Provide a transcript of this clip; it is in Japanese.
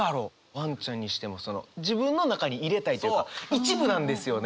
ワンちゃんにしてもその自分の中に入れたいっていうか一部なんですよね！